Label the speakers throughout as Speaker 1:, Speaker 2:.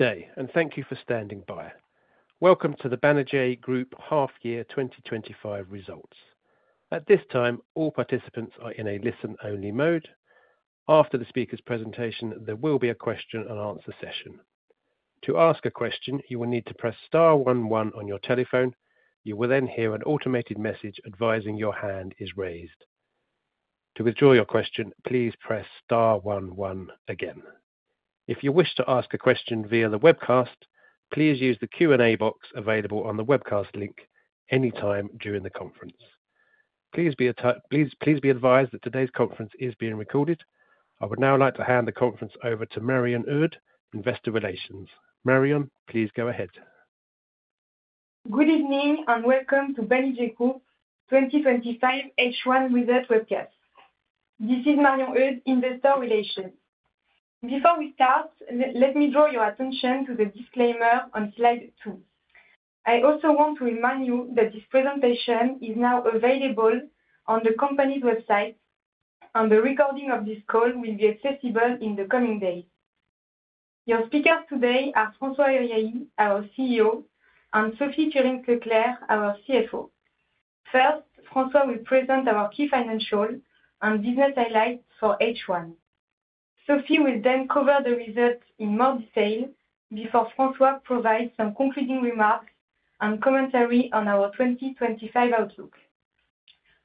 Speaker 1: Good day, and thank you for standing by. Welcome to the Banerjee Group Half Year twenty twenty five Results. At this time, all participants are in a listen only mode. After the speakers' presentation, there will be a question and answer session. To ask a question, you will need to press 11 on your telephone. You will then hear an automated message advising your hand is raised. To withdraw your question, please press 11 again. If you wish to ask a question via the webcast, please use the Q and A box available on the webcast link anytime during the conference. Please advised that today's conference is being recorded. I would now like to hand the conference over to Marion Oud, Investor Relations. Marion, please go ahead.
Speaker 2: Good evening, and welcome to Bene G Corp twenty twenty five H1 results webcast. This is Marion Hood, Investor Relations. Before we start, let me draw your attention to the disclaimer on Slide two. I also want to remind you that this presentation is now available on the company's website, and the recording of this call will be accessible in the coming days. Your speakers today are Francois Herriot, our CEO and Sophie Turin Ceclerc, our CFO. First, Francois will present our key financials and business highlights for H1. Sophie will then cover the results in more detail before Francois provides some concluding remarks and commentary on our 2025 outlook.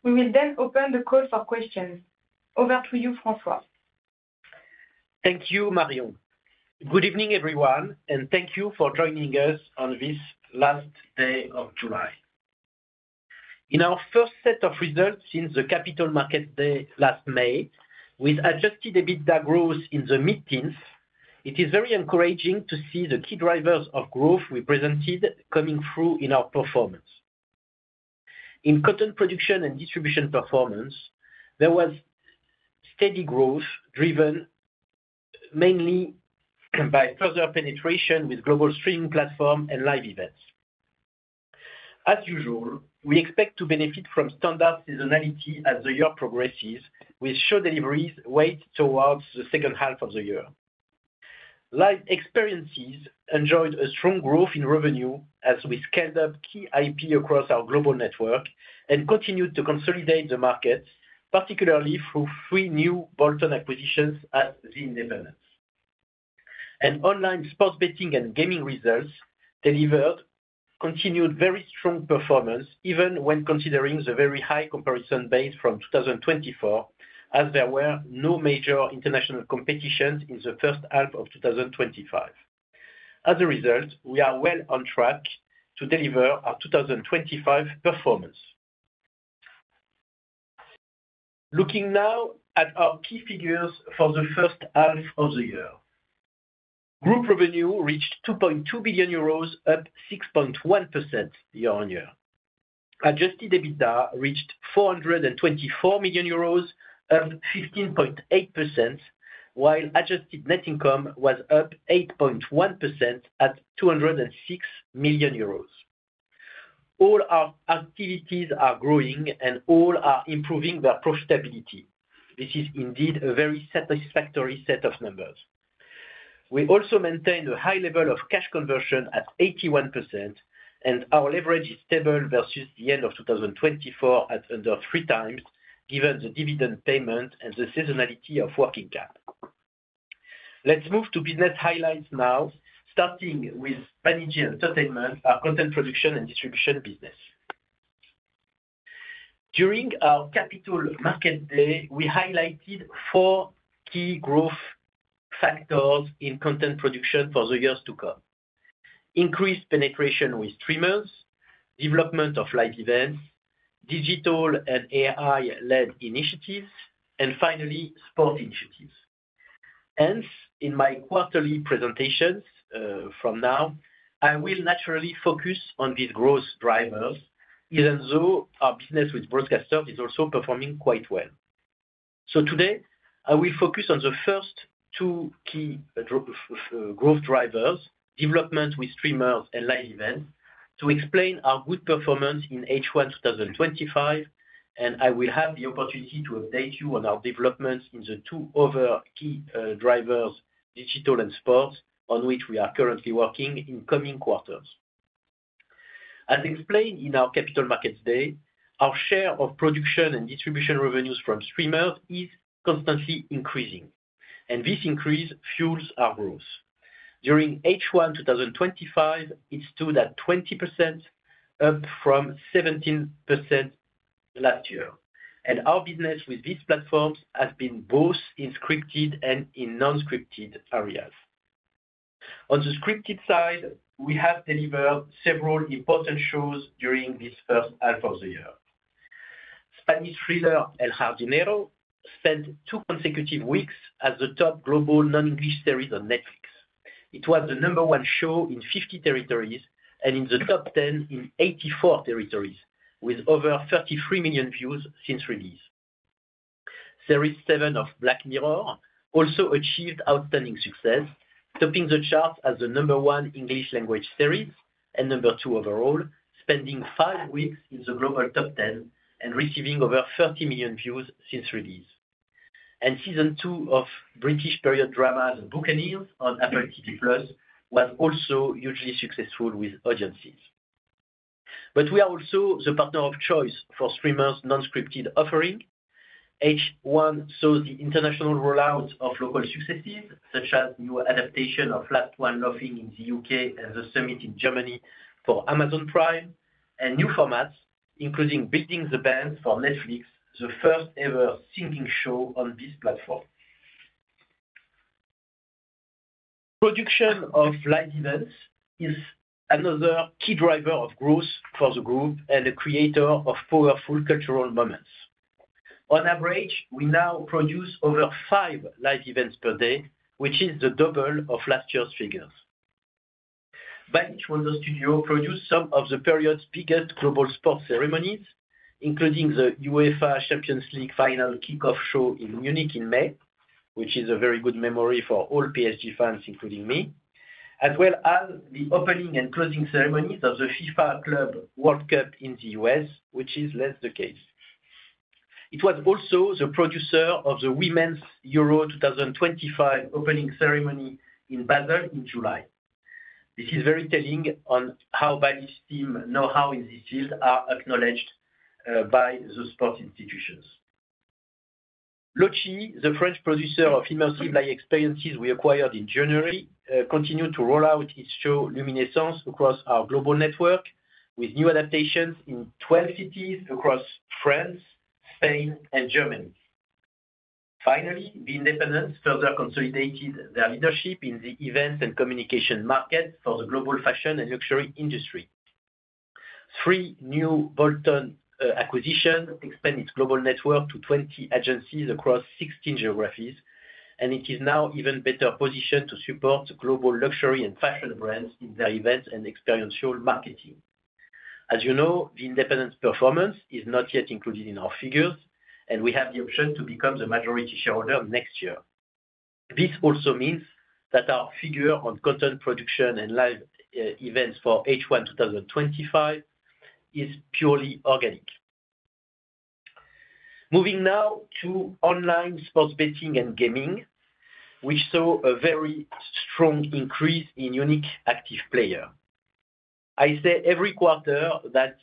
Speaker 2: We will then open the call for questions. Over to you, Francois.
Speaker 3: Thank you, Marion. Good evening, everyone, and thank you for joining us on this last day of July. In our first set of results since the Capital Markets Day last May, with adjusted EBITDA growth in the mid teens, it is very encouraging to see the key drivers of growth we presented coming through in our performance. In content production and distribution performance, there was steady growth driven mainly by further penetration with global streaming platform and live events. As usual, we expect to benefit from standard seasonality as the year progresses, with show deliveries wait towards the second half of the year. Live Experiences enjoyed a strong growth in revenue as we scaled up IP across our global network and continued to consolidate the market, particularly through three new bolt on acquisitions at ZYN Netherlands. And online sports betting and gaming results delivered continued very strong performance even when considering the very high comparison base from 2024 as there were no major international competitions in the 2025. As a result, we are well on track to deliver our 2025 performance. Looking now at our key figures for the first half of the year. Group revenue reached 2.2 billion euros, up 6.1% year on year. Adjusted EBITDA reached 424 million euros, up 15.8%, while adjusted net income was up 8.1% at $2.00 €6,000,000 All our activities are growing and all are improving their profitability. This is indeed a very satisfactory set of numbers. We also maintained a high level of cash conversion at 81% and our leverage is stable versus the 2024 at under three times given the dividend payment and the seasonality of working cap. Let's move to business highlights now, starting with Panigi Entertainment, our content production and distribution business. During our Capital Market Day, we highlighted four key growth factors in content production for the years to come. Increased penetration with streamers, development of live events, digital and AI led initiatives, and finally, sport initiatives. Hence, in my quarterly presentations, from now, I will naturally focus on these growth drivers even though our business with broadcast stuff is also performing quite well. So today, I will focus on the first two key growth drivers, development with streamers and live event to explain our good performance in H1 twenty twenty five, and I will have the opportunity to update you on our developments in the two other key drivers, digital and sports, on which we are currently working in coming quarters. As explained in our Capital Markets Day, our share of production and distribution revenues from streamers is constantly increasing, and this increase fuels our growth. During H1 twenty twenty five, it stood at 20%, up from 17% last year. And our business with these platforms has been both in scripted and in non scripted areas. On the scripted side, we have delivered several important shows during this first half of the year. Spanish Freezer and Jardinero spent two consecutive weeks as the top global non English series on Netflix. It was the number one show in 50 territories and in the top 10 in 84 territories with over 33,000,000 views since release. Series seven of Black Mirror also achieved outstanding success, topping the chart as the number one English language series and number two overall, spending five weeks in the global top 10 and receiving over 30,000,000 views since release. And season two of British period dramas, Buccaneers on Apple TV plus was also hugely successful with audiences. But we are also the partner of choice for streamers non scripted offering. H one saw the international rollout of local successes, such as new adaptation of last one laughing in The UK and the summit in Germany for Amazon Prime and new formats, including beating the band for Netflix, the first ever singing show on this platform. Production of live events is another key driver of growth for the group and the creator of powerful cultural moments. On average, we now produce over five live events per day, which is the double of last year's figures. Back in Toronto studio produced some of the period's biggest global sports ceremonies, including the UEFA Champions League final kickoff show in Munich in May, which is a very good memory for all PSG fans, including me, as well as the opening and closing ceremonies of the FIFA Club World Cup in The US, which is less the case. It was also the producer of the women's Euro two thousand twenty five opening ceremony in Basel in July. This is very telling on how Bally's team know how in this field are acknowledged by the sports institutions. Lochi, the French producer of immersive experiences we acquired in January, continued to roll out its show Luminaissance across our global network with new adaptations in 12 cities across France, Spain, and Germany. Finally, the independents further consolidated their leadership in the events and communication market for the global fashion and luxury industry. Three new bolt on acquisition expanded its global network to 20 agencies across 16 geographies, and it is now even better positioned to support global luxury and fashion brands in their events and experiential marketing. As you know, the independents performance is not yet included in our figures, and we have the option to become the majority shareholder next year. This also means that our figure on content production and live events for h one two thousand twenty five is purely organic. Moving now to online sports betting and gaming. We saw a very strong increase in unique active player. I say every quarter that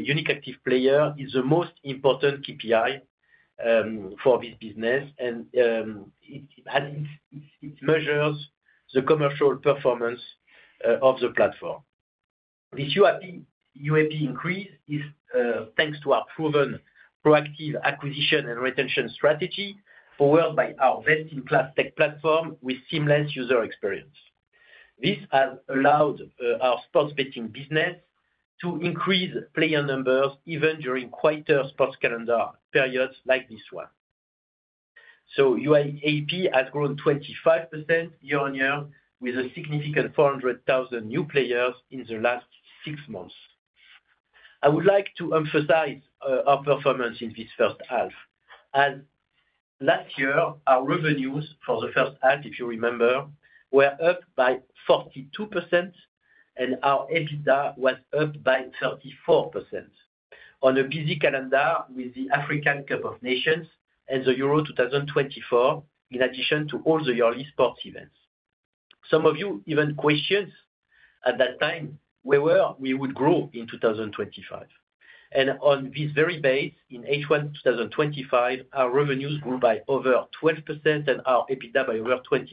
Speaker 3: unique active player is the most important KPI for this business, and has it it measures the commercial performance of the platform. This UAP UAP increase is thanks to our proven proactive acquisition and retention strategy followed by our best in class tech platform with seamless user experience. This has allowed our sports betting business to increase player numbers even during quieter sports calendar periods like this one. So UI AP has grown 25% year on year with a significant 400,000 new players in the last six months. I would like to emphasize performance in this first half. And last year, our revenues for the first half, if you remember, were up by 42%, and our EBITDA was up by 34%. On a busy calendar with the African Cup of Nations and the Euro twenty twenty four in addition to all the yearly sports events. Some of you even questions at that time where we would grow in 2025. And on this very base, in H1 twenty twenty five, our revenues grew by over 12% and our EBITDA by over 25%.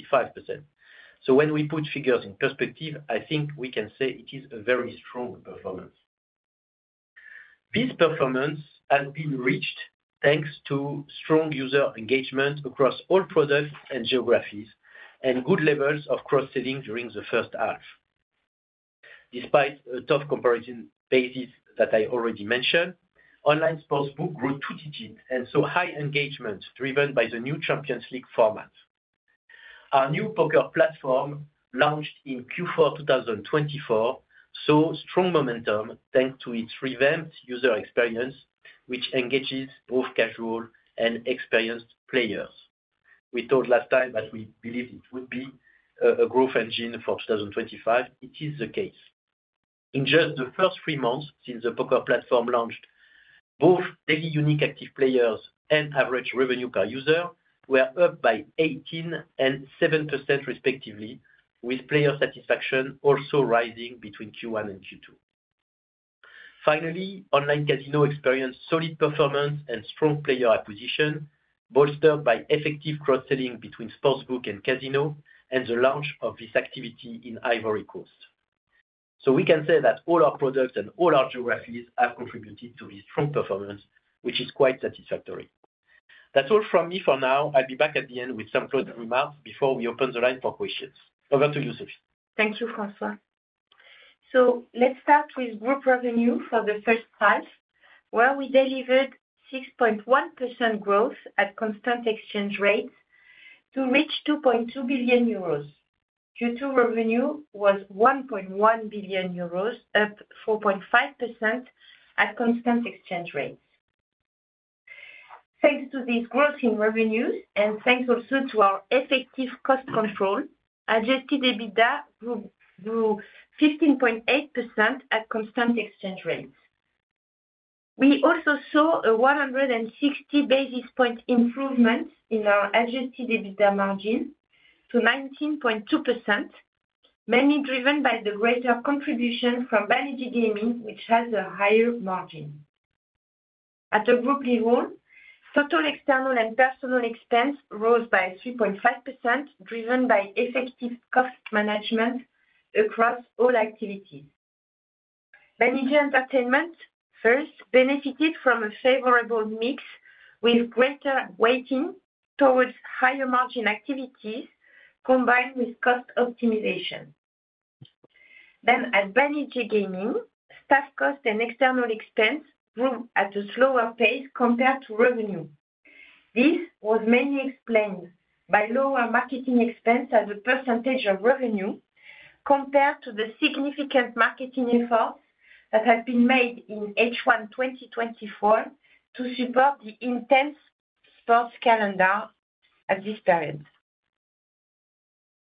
Speaker 3: So when we put figures in perspective, I think we can say it is a very strong performance. This performance has been reached thanks to strong user engagement across all products and geographies and good levels of cross selling during the first half. Despite a tough comparison basis that I already mentioned, online sportsbook grew two digits and saw high engagement driven by the new Champions League format. Our new poker platform, launched in Q4 twenty twenty four, saw strong momentum, thanks to its revamped user experience, which engages both casual and experienced players. We told last time that we believe it would be a growth engine for 02/2025. It is the case. In just the first three months since the Poker platform launched, both daily unique active players and average revenue car users were up by 187% respectively, with player satisfaction also rising between Q1 and Q2. Finally, online casino experienced solid performance and strong player acquisition, bolstered by effective cross selling between Sportsbook and Casino and the launch of this activity in Ivory Coast. So we can say that all our products and all our geographies have contributed to this strong performance, which is quite satisfactory. That's all from me for now. I'll be back at the end with some closing remarks before we open the line for questions. Over to you, Sophie.
Speaker 4: Thank you, Francois. So let's start with group revenue for the first half, where we delivered 6.1% growth at constant exchange rates to reach 2.2 billion euros. Q2 revenue was 1.1 billion euros, up 4.5% at constant exchange rates. Thanks to this growth in revenues and thanks also to our effective cost control, adjusted EBITDA grew 15.8% at constant exchange rates. We also saw a 160 basis point improvement in our adjusted EBITDA margin to 19.2%, mainly driven by the greater contribution from Bene Gidemi, which has a higher margin. At a group level, total external and personnel expense rose by 3.5%, driven by effective cost management across all activities. Energy and Entertainment first benefited from a favorable mix with greater weighting towards higher margin activities combined with cost optimization. Then at Vanity Gaming, staff cost and external expense grew at a slower pace compared to revenue. This was mainly explained by lower marketing expense as a percentage of revenue compared to the significant marketing efforts that have been made in H1 twenty twenty four to support the intense sports calendar at this period.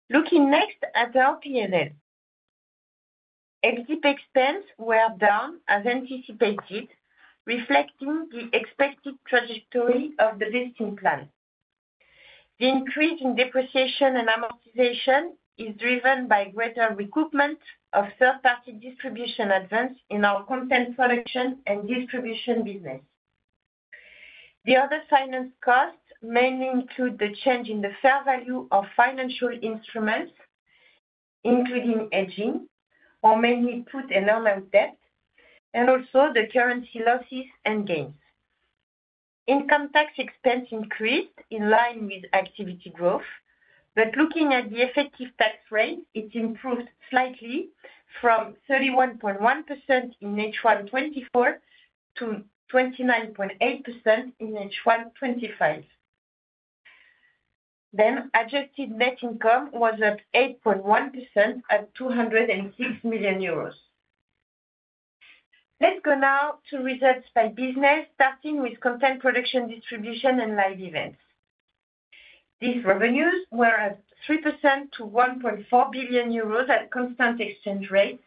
Speaker 4: Looking next at our P and L. Exit expense were down as anticipated, reflecting the expected trajectory of the listing plan. The increase in depreciation and amortization is driven by greater recruitment of third party distribution events in our content production and distribution business. The other finance costs mainly include the change in the fair value of financial instruments, including hedging or mainly put and earn and debt and also the currency losses and gains. Income tax expense increased in line with activity growth. But looking at the effective tax rate, it improved slightly from 31.1% in H1 twenty twenty four to 29.8% in H1 twenty twenty five. Adjusted net income was up 8.1% at 206 million euros. Let's go now to results by business, starting with Content Production Distribution and Live Events. These revenues were up 3% to 1,400,000,000 at constant exchange rate,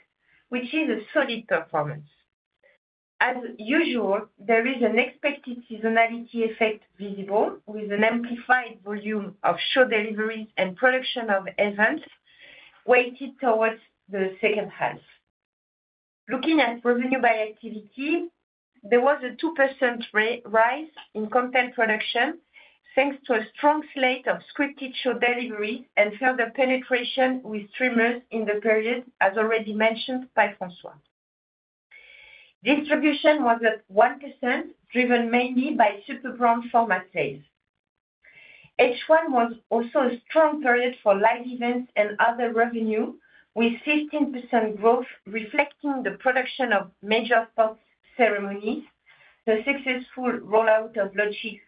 Speaker 4: which is a solid performance. As usual, there is an expected seasonality effect visible with an amplified volume of show deliveries and production of events weighted towards the second half. Looking at revenue by activity, there was a 2% rise in content production, thanks to a strong slate of scripted show delivery and further penetration with streamers in the period, as already mentioned by Francois. Distribution was up 1%, driven mainly by superbrand format sales. H1 was also a strong period for live events and other revenue, with 15% growth reflecting the production of major sports ceremonies, the successful rollout of logistics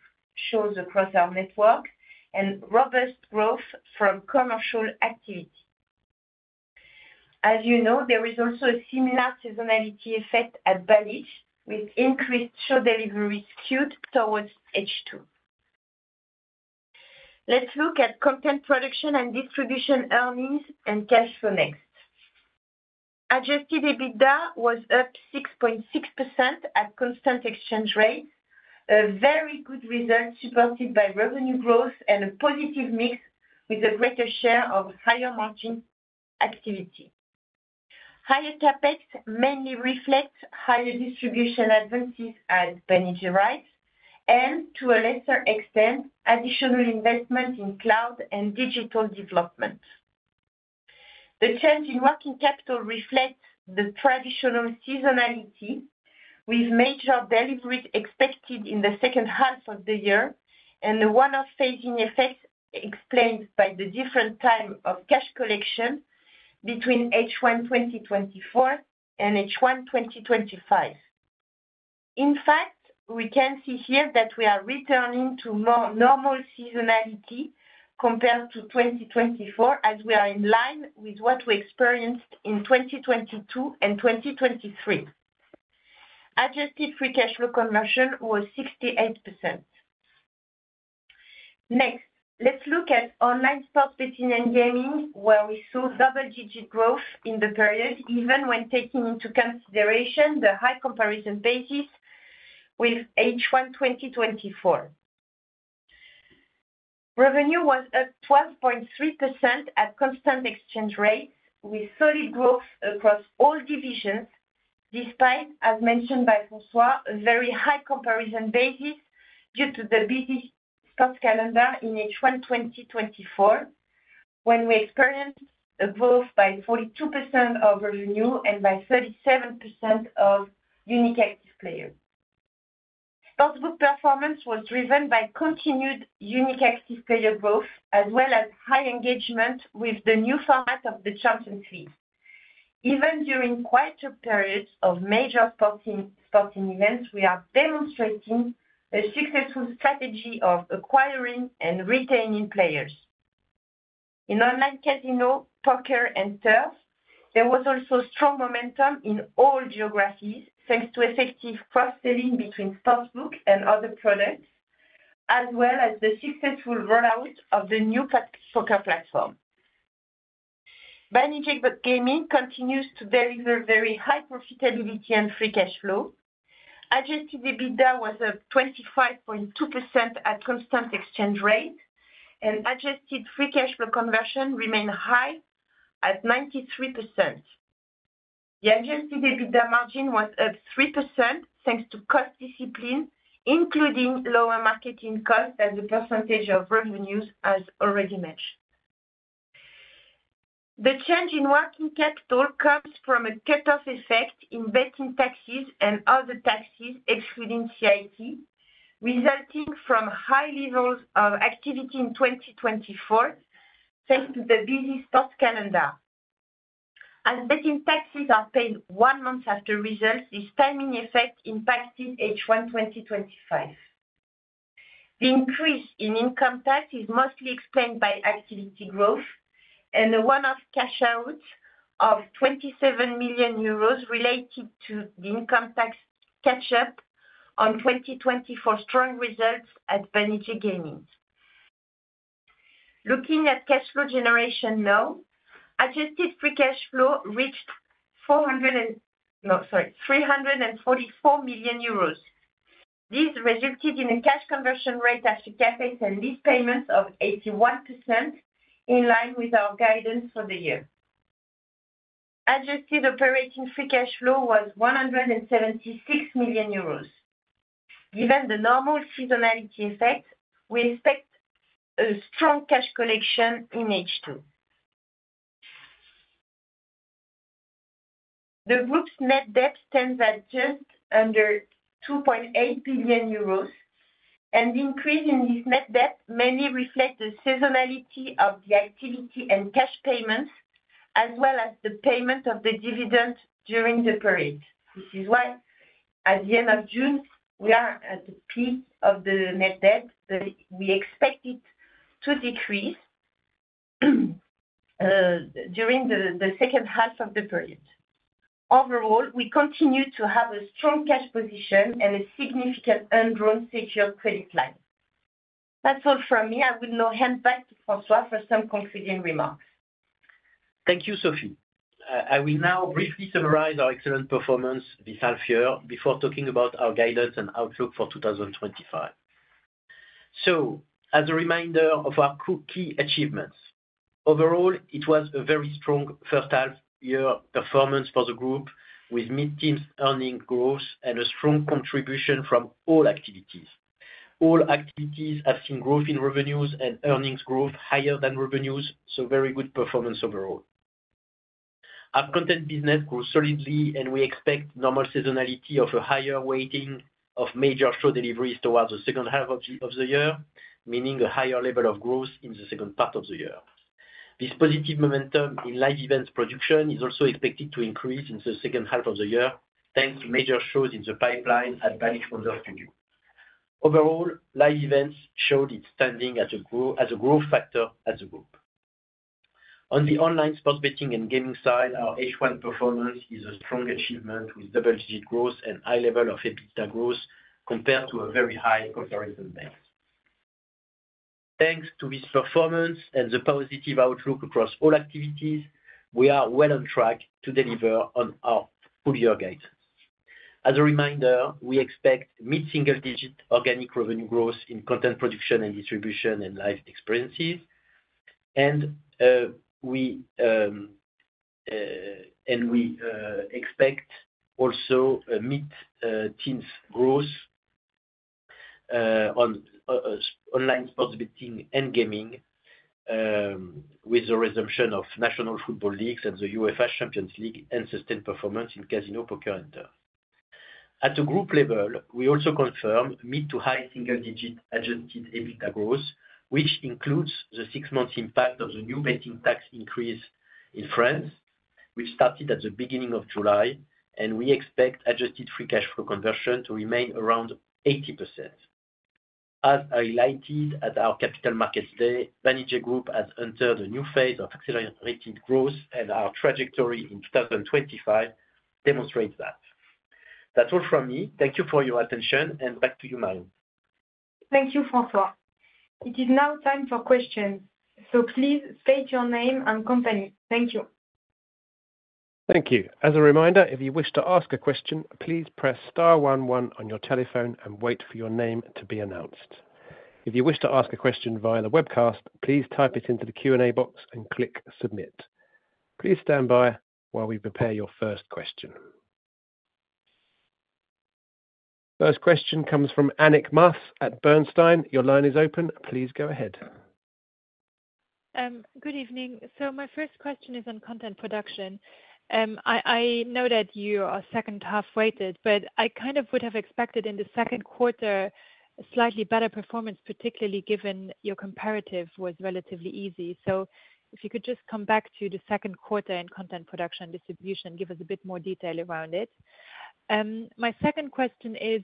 Speaker 4: shows across our network, and robust growth from commercial activity. As you know, there is also a similar seasonality effect at Bali, with increased show deliveries skewed towards H2. Let's look at content production and distribution earnings and cash flow next. Adjusted EBITDA was up 6.6% at constant exchange rates, a very good result supported by revenue growth and a positive mix with a greater share of higher margin activity. Higher CapEx mainly reflects higher distribution advances at Benningerides and, to a lesser extent, additional investments in cloud and digital development. The change in working capital reflects the traditional seasonality, with major deliveries expected in the second half of the year and the one off phasing effects explained by the different time of cash collection between H1 twenty twenty four and H1 twenty twenty five. In fact, we can see here that we are returning to more normal seasonality compared to 2024 as we are in line with what we experienced in 2022 and 2023. Adjusted free cash flow conversion was 68%. Next, let's look at online sports betting and gaming, where we saw double digit growth in the period even when taking into consideration the high comparison basis with H1 twenty twenty four. Revenue was up 12.3% at constant exchange rates, with solid growth across all divisions despite, as mentioned by Francois, a very high comparison basis due to the busy stock calendar in H1 twenty twenty four when we experienced a growth by 42% of revenue and by 37% of unique active players. Scott's book performance was driven by continued unique active player growth as well as high engagement with the new format of the charts and three. Even during quieter periods of major sporting events, we are demonstrating a successful strategy of acquiring and retaining players. In online casino, poker and turf, there was also strong momentum in all geographies, thanks to effective cross selling between sportsbook and other products, as well as the successful rollout of the new poker platform. Bionic Games continues to deliver very high profitability and free cash flow. Adjusted EBITDA was up 25.2% at constant exchange rate, and adjusted free cash flow conversion remained high at 93%. The adjusted EBITDA margin was up 3%, thanks to cost discipline, including lower marketing costs and the percentage of revenues as already mentioned. The change in working capital comes from a cutoff effect in betting taxes and other taxes, excluding CIT, resulting from high levels of activity in 24, thanks to the busy stock calendar. As debt in taxes are paid one month after results, this timing effect impacted H1 twenty twenty five. The increase in income tax is mostly explained by activity growth and the one off cash out of 27,000,000 euros related to the income tax catch up on 2020 for strong results at Benetier Gaming. Looking at cash flow generation now. Adjusted free cash flow reached 344 million euros. This resulted in a cash conversion rate after CapEx and lease payments of 81%, in line with our guidance for the year. Adjusted operating free cash flow was 176 million euros. Given the normal seasonality effect, we expect a strong cash collection in H2. The group's net debt stands at just under 2,800,000,000.0, and the increase in this net debt mainly reflects the seasonality of the activity and cash payments as well as the payment of the dividend during the period. This is why at the June, we are at the peak of the net debt that we expect it to decrease during the second half of the period. Overall, we continue to have a strong cash position and a significant undrawn secured credit line. That's all from me. I will now hand back to Francois for some concluding remarks.
Speaker 3: Thank you, Sophie. I will now briefly summarize our excellent performance this half year before talking about our guidance and outlook for 2025. So as a reminder of our key achievements. Overall, it was a very strong first half year performance for the group with mid teens earning growth and a strong contribution from all activities. All activities have seen growth in revenues and earnings growth higher than revenues, so very good performance overall. App content business grew solidly and we expect normal seasonality of a higher weighting of major show deliveries towards the second half of the year, meaning a higher level of growth in the second part of the year. This positive momentum in Live Events production is also expected to increase in the second half of the year, thanks to major shows in the pipeline at Vanished from the studio. Overall, Live Events showed its standing as a growth factor as a group. On the Online Sports Betting and Gaming side, our H1 performance is a strong achievement with double digit growth and high level of EBITDA growth compared to a very high comparison base. Thanks to this performance and the positive outlook across all activities, we are well on track to deliver on our full year guidance. As a reminder, we expect mid single digit organic revenue growth in content production and distribution and life experiences. And we and we expect also a mid teens growth on online sports betting and gaming with the resumption of National Football Leagues and the UEFA Champions League and sustained performance in Casino Poker Inter. At the group level, we also confirmed mid to high single digit adjusted EBITA growth, which includes the six months impact of the new betting tax increase in France, which started at the July and we expect adjusted free cash flow conversion to remain around 80%. As highlighted at our Capital Markets Day, Manager Group has entered a new phase of accelerated growth and our trajectory in 2025 demonstrates that. That's all from me. Thank you for your attention and back to you Maio.
Speaker 2: Thank you, Francois. It is now time for questions. So please state your name and company. Thank you. Thank
Speaker 1: So
Speaker 5: my first question is on content production. I know that you are second half weighted, but I kind of would have expected in the second quarter a slightly better performance, particularly given your comparative was relatively easy. So if you could just come back to the second quarter in content production distribution, give us a bit more detail around it. My second question is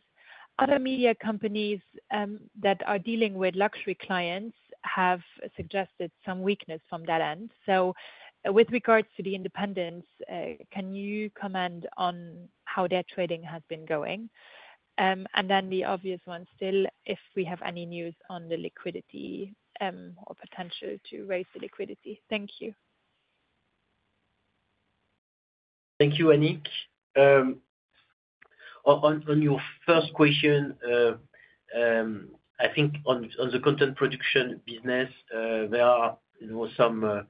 Speaker 5: other media companies that are dealing with luxury clients have suggested some weakness from that end. So with regards to the independents, can you comment on how their trading has been going? And then the obvious one still, if we have any news on the liquidity or potential to raise the liquidity.
Speaker 3: Thank you, Anik. On your first question, I think on the content production business, there some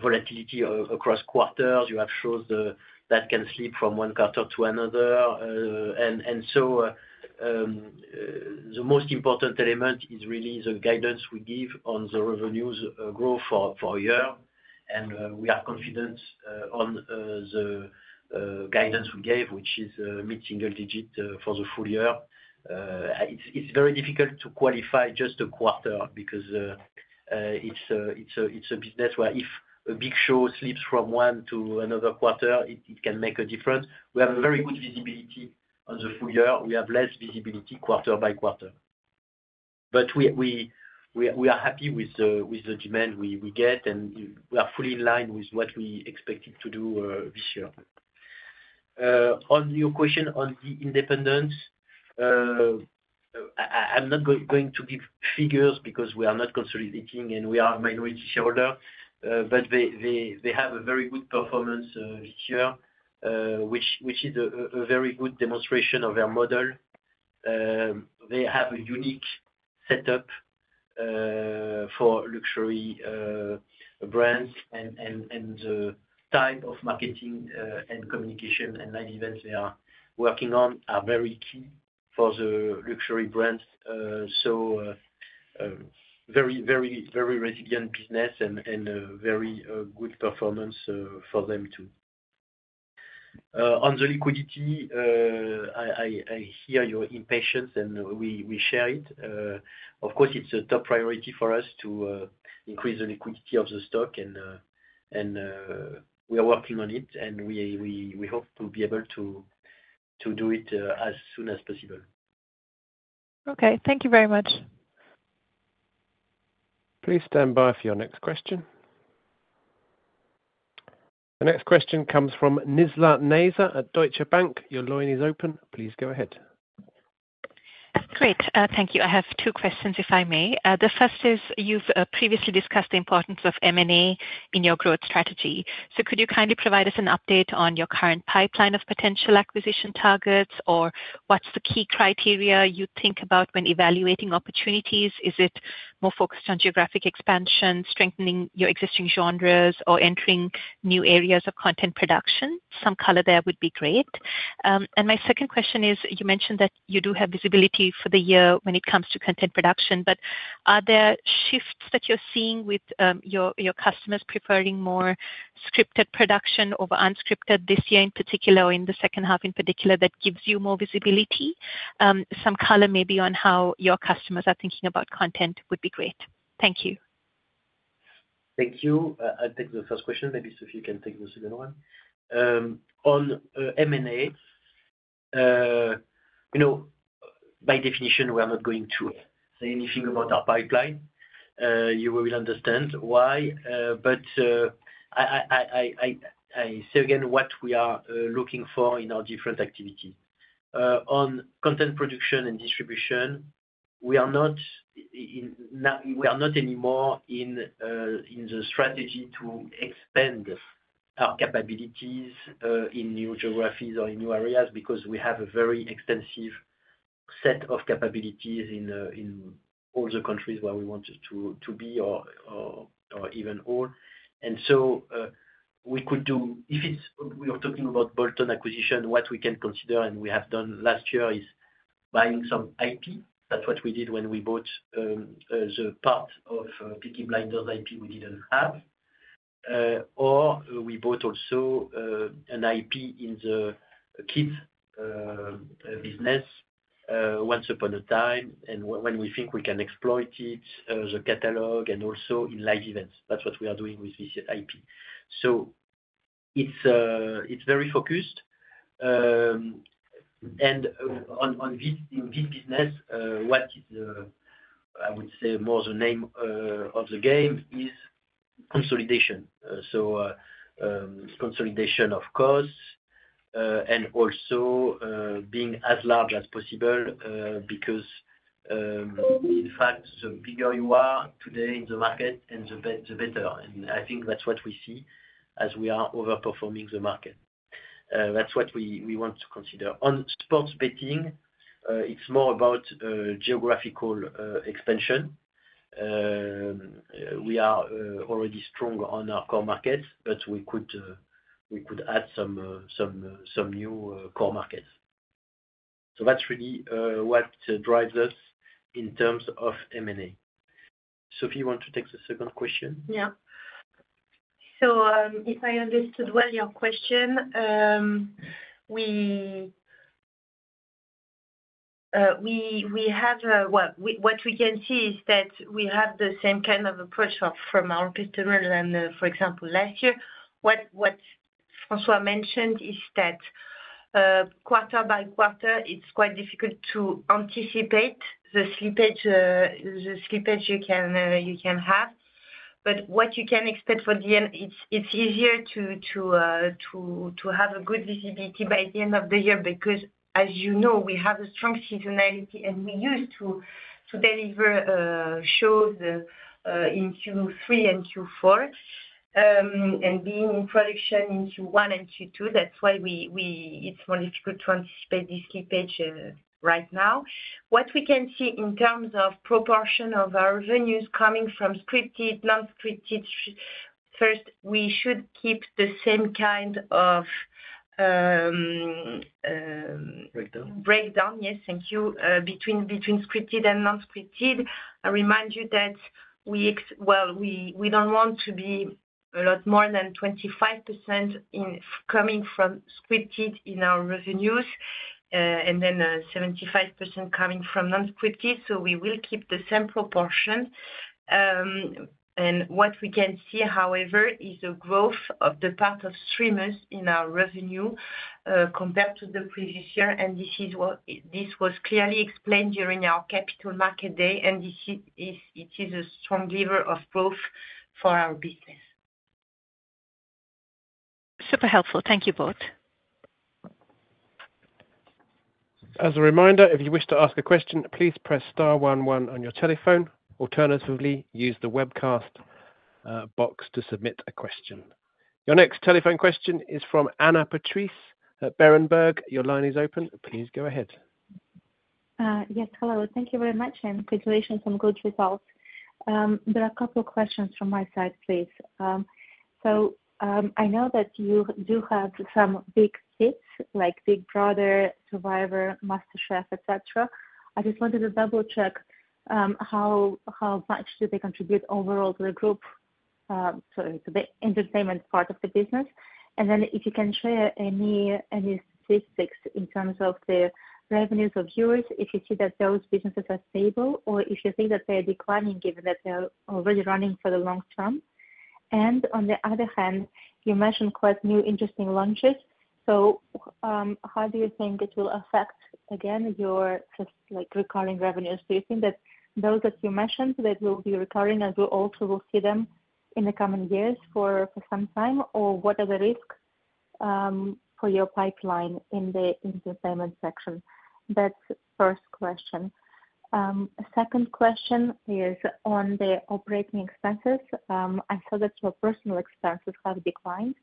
Speaker 3: volatility across quarters. You have shows that can slip from one quarter to another. And so the most important element is really the guidance we give on the revenues growth for year, And we are confident on the guidance we gave, which is mid single digit for the full year. It's it's very difficult to qualify just a quarter because it's a it's a it's a business where if a big show slips from one to another quarter, it it can make a difference. We have a very good visibility on the full year. We have less visibility quarter by quarter. But we we we are happy with the with the demand we we get, and we are fully in line with what we expected to do this year. On your question on the independents, I'm not going going to give figures because we are not consolidating and we are a minority shareholder. But they they they have a very good performance here, which which is a a very good demonstration of their model. They have a unique setup for luxury brands and and and the type of marketing and communication and live events they are working on are very key for the luxury brands. So very, very, very resilient business and and a very good performance for them too. On the liquidity, I I I hear your impatience, and we we share it. Of course, it's a top priority for us to increase the liquidity of the stock, and and we are working on it. And we we we hope to be able to to do it as soon as possible.
Speaker 5: Okay. Thank you very much.
Speaker 1: The next question comes from Nizla Nayza at Deutsche Bank. Your line is open. Please go ahead.
Speaker 6: Great. Thank you. I have two questions, if I may. The first is you've previously discussed the importance of M and A in your growth strategy. So could you kindly provide us an update on your current pipeline of potential acquisition targets? Or what's the key criteria you think about when evaluating opportunities? Is it more focused on geographic expansion, strengthening your existing genres or entering new areas of content production? Some color there would be great. And my second question is, you mentioned that you do have visibility for the year when it comes to content production. But are there shifts that you're seeing with your customers preferring more scripted production over unscripted this year in particular or in the second half in particular that gives you more visibility? Some color maybe on how your customers are thinking about content would be great. Thank you.
Speaker 3: Thank you. I'll take the first question. Maybe, Sophie, you can take the second one. On m and a, you know, by definition, we are not going to say anything about our pipeline. You will understand why. But I I I say again what we are looking for in our different activity. On content production and distribution, we are not in not we are not anymore in in the strategy to expand our capabilities in new geographies or in new areas because we have a very extensive set of capabilities in in all the countries where we wanted to to be or or even old. And so we could do if it's we are talking about bolt on acquisition, what we can consider and we have done last year is buying some IP. That's what we did when we bought the part of PT Blinders IP we didn't have. Or we bought also an IP in the kids business once upon a time. And when we think we can exploit it as a catalog and also in live events. That's what we are doing with this IP. So it's it's very focused. And on on this in this business, what is the I would say, more the name of the game is consolidation. So consolidation, of course, and also being as large as possible because, in fact, the bigger you are today in the market and the the better. And I think that's what we see as we are over performing the market. That's what we we want to consider. On sports betting, it's more about geographical expansion. We are already strong on our core market, but we could we could add some some some new core markets. So that's really what drives us in terms of m and a. Sophie, you want to take the second question?
Speaker 4: Yeah. So if I understood well your question, we we we have what we what we can see is that we have the same kind of a pressure from our customer than, for example, last year. What Francois mentioned is that quarter by quarter, it's quite difficult to anticipate the slippage the slippage you can you can have. But what you can expect for the end, it's easier to have a good visibility by the end of the year because, as you know, we have a strong seasonality, and we used to deliver shows in Q3 and Q4. And being in production in Q1 and Q2, that's why we it's more difficult to anticipate this key page right now. What we can see in terms of proportion of our revenues coming from non scripted, first, we should keep the same kind of
Speaker 3: Breakdown.
Speaker 4: Breakdown, yes, thank you, between scripted and non scripted. I remind you that we well, we don't want to be a lot more than 25% coming from scripted in our revenues and then 75% coming from non scripted. So we will keep the same proportion. And what we can see, however, is a growth of the part of streamers in our revenue compared to the previous year. And this is what this was clearly explained during our Capital Market Day, and this is it is a strong lever of growth for our business.
Speaker 6: Super helpful. Thank you both.
Speaker 1: Box to submit a question. Your next telephone question is from Anna Patrice at Berenberg. Your line is open. Please go ahead.
Speaker 7: Yes. Hello. Thank you very much, and congratulations on good results. There are couple of questions from my side, please. So And on the other hand, you mentioned quite new interesting launches. So, how do you think it will affect, again, your, like, recurring revenues? Do you think that those that you mentioned, that will be recurring as we also will see them in the coming years for for some time, or what are the risk for your pipeline in the in the payment section? That's first question. Second question is on the operating expenses. I saw that your personal expenses have declined.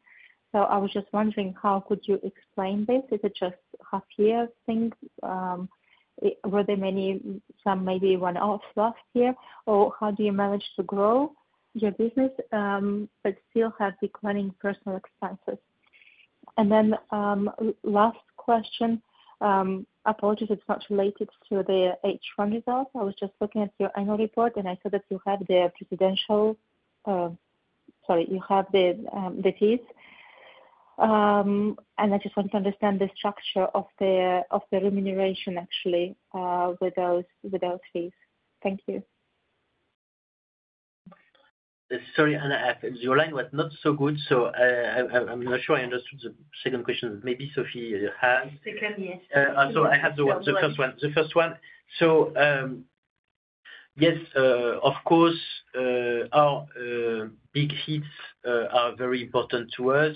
Speaker 7: So I was just wondering how could you explain this. Is it just half year thing? Were there many some maybe one offs last year, or how do you manage to grow your business, but still have declining personal expenses? And then, last question. Apologies. It's not related to the h one results. I was just looking at your annual report, and I saw that you had the presidential sorry. You have the, the fees. And I just want to understand the structure of the of the remuneration actually with those with those fees. Thank you.
Speaker 3: Sorry, Anna. Your line was not so good. So I I I'm not sure I understood the second question. Maybe Sophie has
Speaker 4: Second. Yes.
Speaker 3: Sorry. I have the one the first one. The first one. So, yes, of course, our big hits are very important to us.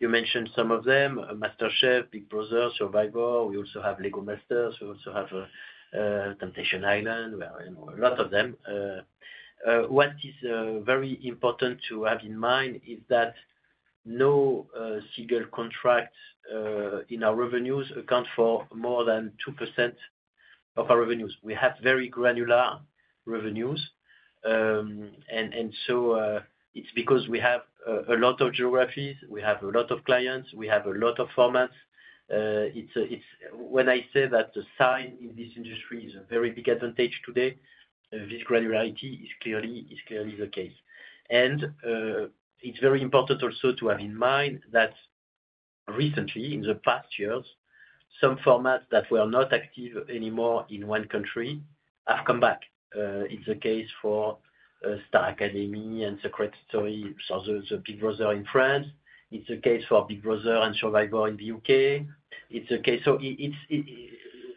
Speaker 3: You mentioned some of them, MasterChef, Big Brother, Survivor. We also have Lego Masters. We also have Temptation Island. Well, you know, a lot of them. What is very important to have in mind is that no single contract in our revenues account for more than 2% of our revenues. We have very granular revenues. And and so it's because we have a lot of geographies. We have a lot of clients. We have a lot of formats. It's it's when I say that the sign in this industry is a very big advantage today, this granularity is clearly is clearly the case. And it's very important also to have in mind that recently, in the past years, some formats that were not active anymore in one country have come back. It's the case for Star Academy and secret story. So those are big browser in France. It's a case for big browser and survival in The UK. It's a case so it's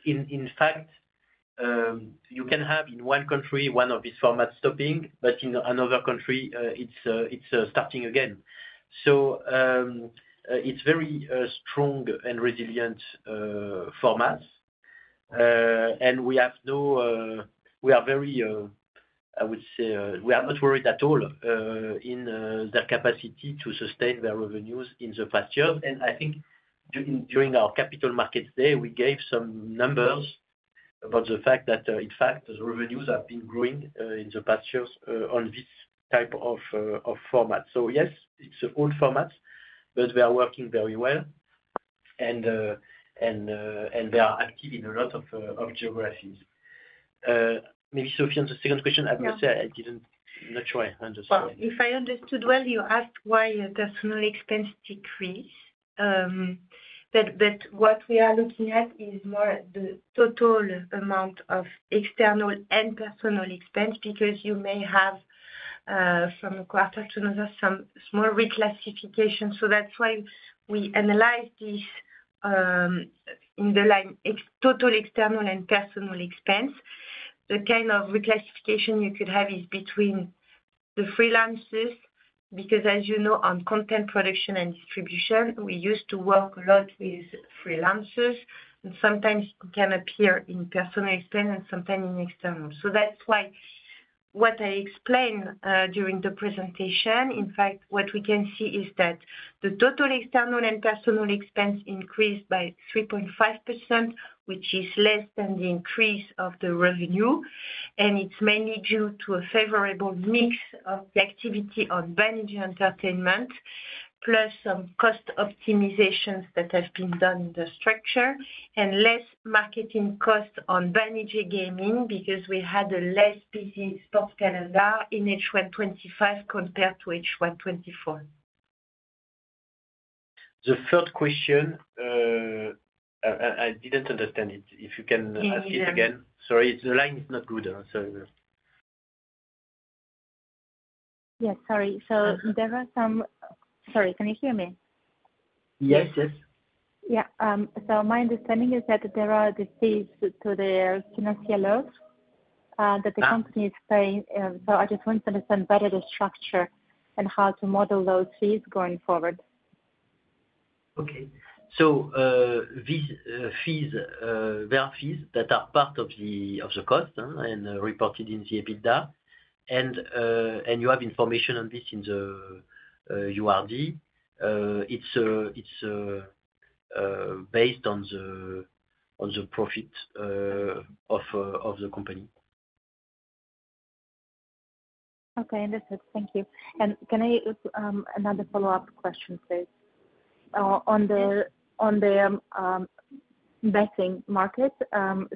Speaker 3: in in fact, you can have in one country one of these formats stopping, but in another country, it's it's starting again. So it's very strong and resilient formats, And we have no we are very I would say, we are not worried at all in capacity to sustain their revenues in the past year. And I think during during our Capital Markets Day, we gave some numbers about the fact that, in fact, the revenues have been growing in the past years on this type of of format. So, yes, it's a old format, but we are working very well. And and and they are active in a lot of of geographies. Maybe, Sophie, on the second question, I must say I didn't I'm not sure I understand.
Speaker 4: If I understood well, you asked why there's no expense decrease. But but what we are looking at is more the total amount of external and personal expense because you may have, from quarter to another, some small reclassification. So that's why we analyze this in the line. It's totally external and personal expense. The kind of reclassification you could have is between the freelancers Because as you know, on content production and distribution, we used to work a lot with freelancers. And sometimes, it can appear in personal experience and sometimes in external. So that's why what I explained during the presentation. In fact, what we can see is that the total external and personal expense increased by 3.5%, which is less than the increase of the revenue. And it's mainly due to a favorable mix of the activity on vanity entertainment plus some cost optimizations that have been done in the structure and less marketing cost on vanity gaming because we had a less busy spot Canada in h one twenty five compared to H 124.
Speaker 3: The third question, I didn't understand it. If you can ask it again. Sorry. The line is not good. Sorry.
Speaker 7: Yes. Sorry. So there are some sorry. Can you hear me?
Speaker 3: Yes. Yes.
Speaker 7: Yeah. So my understanding is that there are disputes to the that the company is paying. So I just wanted to understand better the structure and how to model those fees going forward.
Speaker 3: Okay. So these fees there are fees that are part of the of the cost and reported in the EBITDA. And and you have information on this in the URD. It's it's based on the on the profit of of the company.
Speaker 7: Okay. Understood. Thank you. And can I ask another follow-up question, please? On the on the betting market.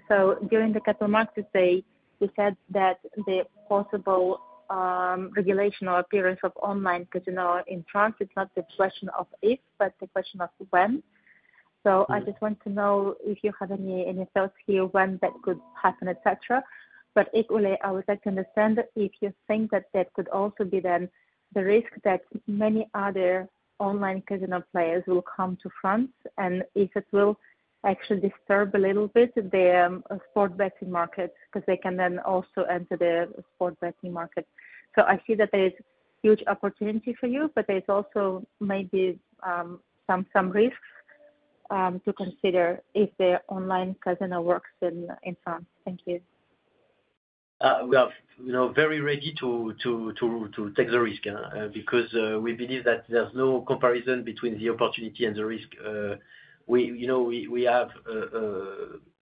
Speaker 7: So during the Capital Markets Day, you said that the possible regulation or appearance of online casino in France, it's not the question of if, but the question of when. So I just want to know if you have any any thoughts here when that could happen, etcetera. But, equally, I would like to understand if you think that that could also be then the risk that many other online casino players will come to France and if it will actually disturb a little bit the sport betting market because they can then also enter the sport betting market. So I see that there's huge opportunity for you, but there's also maybe some some risk to consider if the online casino works in in France? Thank you.
Speaker 3: We are, you know, very ready to to to to take the risk because we believe that there's no comparison between the opportunity and the risk. We, you know, we we have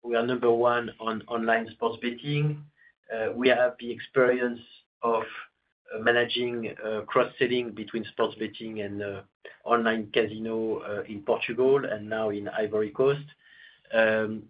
Speaker 3: we are number one on online sports betting. We have the experience of managing cross selling between sports betting and online casino in Portugal and now in Ivory Coast. And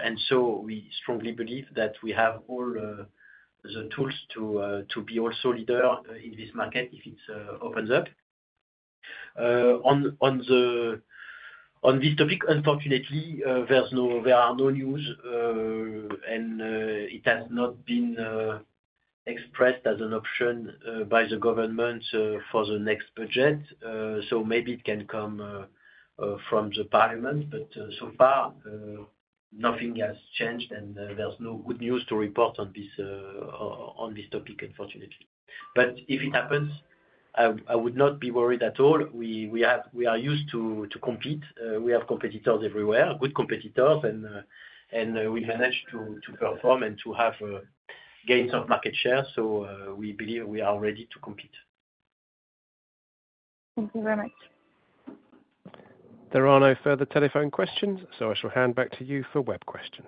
Speaker 3: and so we strongly believe that we have all the tools to to be also leader in this market if it opens up. On on the on this topic, unfortunately, there's no there are no news, and it has not been expressed as an option by the government for the next budget. So maybe it can come from the parliament. But so far, has changed, and there's no good news to report on this this topic, unfortunately. But if it happens, I I would not be worried at all. We we have we are used to to compete. We have competitors everywhere, good competitors, and and we managed to to perform and to have gains of market share. So, we believe we are ready to compete.
Speaker 2: Thank you very much.
Speaker 1: There are no further telephone questions, so I shall hand back to you for web questions.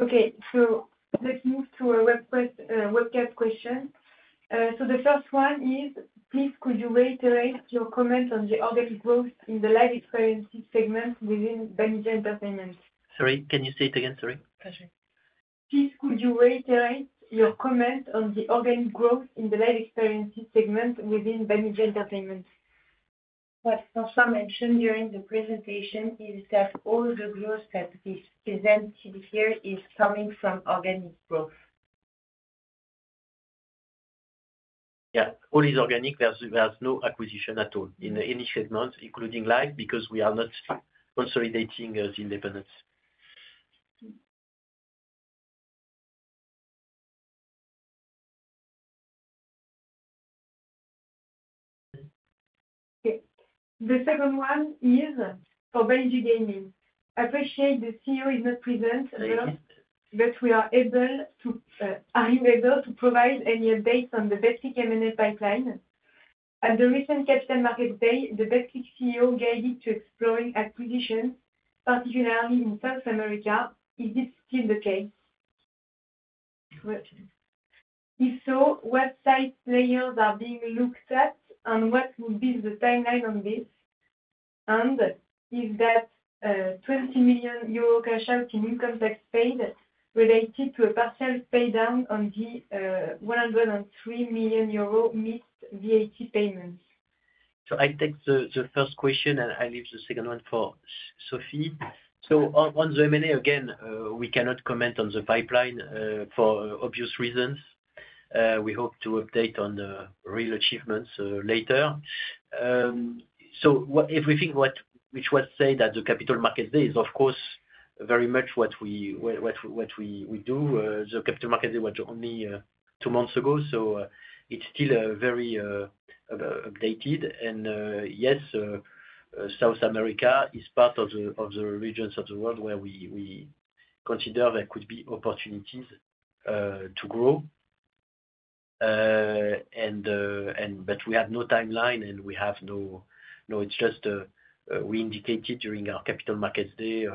Speaker 2: Okay. So let's move to a webcast question. So the first one is, please, could you reiterate your comments on the organic growth in the live experiences segment within Benigneur Entertainment?
Speaker 3: Sorry. Can you say it again? Sorry. Patrick.
Speaker 2: Please, could you reiterate your comment on the organic growth in the live experiences segment within Benigene Entertainment?
Speaker 4: What Francois mentioned during the presentation is that all the growth that is presented here is coming from organic growth.
Speaker 3: Yeah. All is organic. There's there's no acquisition at all in the initial months, including live because we are not consolidating as independents.
Speaker 2: The second one is for Vengue Gaming. I appreciate the CEO is not present,
Speaker 3: but are
Speaker 2: able to are you able to provide any updates on the best in the pipeline? At the recent Capital Markets Day, the best CEO gave it to exploring acquisition particularly in South America. Is this
Speaker 4: still the case? Correct.
Speaker 2: If so, what site players are being looked at, and what would be the timeline on this? And is that twenty million euros cash out in income tax paid related to a partial paydown on the €103,000,000 missed VAT payments?
Speaker 3: So I take the the first question, and I leave the second one for Sophie. So on on the M and A, again, we cannot comment on the pipeline for obvious reasons. We hope to update on the real achievements later. So what if we think what which was say that the Capital Markets Day is, of course, very much what we what what we we do. The Capital Markets Day went only two months ago, so it's still very updated. And, yes, South America is part of the of the regions of the world where we we consider there could be opportunities to grow. And and but we have no timeline, and we have no no. It's just we indicated during our Capital Markets Day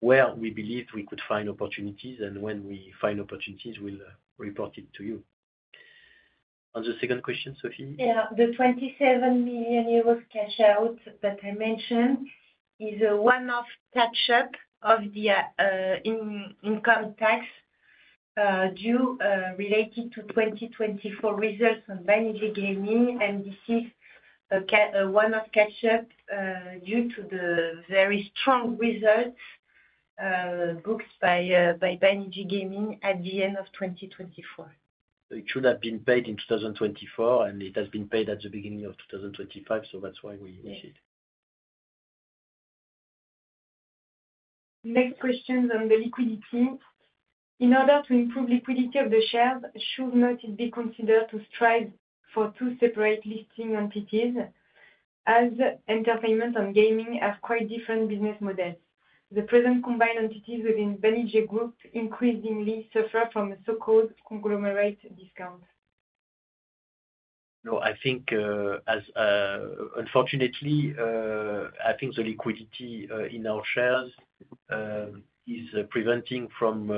Speaker 3: where we believe we could find opportunities. And when we find opportunities, we'll report it to you. On the second question, Sophie?
Speaker 4: Yeah. The €27,000,000 cash out that I mentioned is a one off catch up of the income tax due related to twenty twenty four results from Bainigi Gaming, and this is a cat one of catch up due to the very strong results booked by by Bainiji Gaming at the end of 2024.
Speaker 3: It should have been paid in 02/2024, and it has been paid at the beginning of 02/2025. So that's why we use it.
Speaker 2: Next question is on the liquidity. In order to improve liquidity of the shares, should not be considered to strive for two separate listing NPTs as entertainment and gaming have quite different business models. The present combined entities within Benigere Group increasingly suffer from a so called conglomerate discount.
Speaker 3: No. I think as unfortunately, I think the liquidity in our shares is preventing from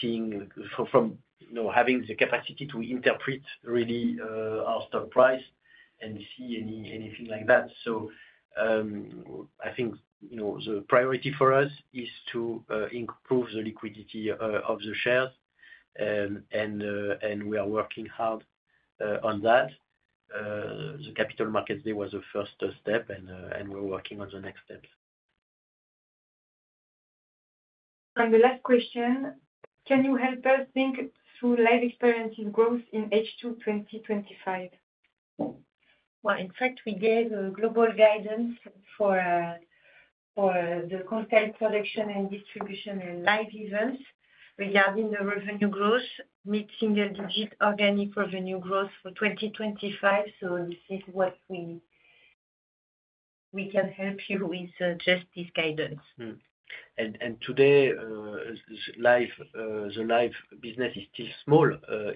Speaker 3: seeing from, know, having the capacity to interpret really, our stock price and see any anything like that. So, I think, you know, the priority for us is to, improve the liquidity of the shares, and, and we are working hard, on that. The Capital Markets Day was the first step, and, and we're working on the next steps.
Speaker 2: And the last question, can you help us think through life experiencing growth in h two twenty twenty five?
Speaker 4: Well, in fact, we gave global guidance for for the content collection and distribution and live events regarding the revenue growth, mid single digit organic revenue growth for 2025. So this is what we we can help you with just this guidance.
Speaker 3: And and today, life the life business is still small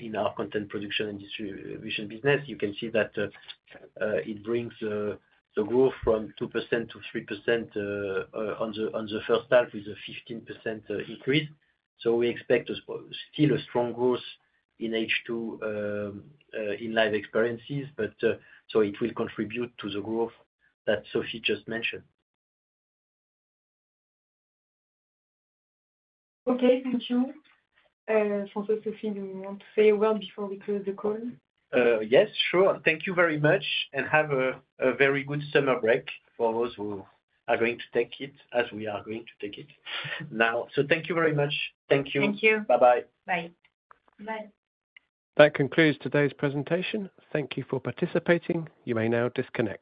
Speaker 3: in our content production and distribution business. You can see that it brings the growth from 2% to 3% on the on the first half with a 15% increase. So we expect still a strong growth in h two in live experiences, but so it will contribute to the growth that Sophie just mentioned.
Speaker 2: Okay. Thank you. Jean Jose, do you want to say well before we close the call?
Speaker 3: Yes. Sure. Thank you very much, and have a a very good summer break for those who are going to take it as we are going to take it now. So thank you very much. Thank you. Thank you. Bye bye. Bye. Bye.
Speaker 1: That concludes today's presentation. Thank you for participating. You may now disconnect.